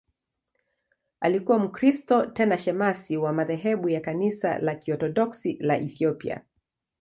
Alikuwa Mkristo, tena shemasi wa madhehebu ya Kanisa la Kiorthodoksi la Ethiopia.